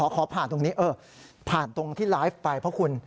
ขอผ่านตรงนี้ผ่านตรงที่ไลฟ์ไปเพราะคุณ